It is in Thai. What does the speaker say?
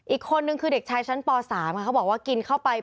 อีกคนนึงคือเด็กชายชั้นป๓ค่ะเขาบอกว่ากินเข้าไป